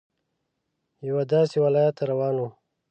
یوه داسې ولايت ته روان وم.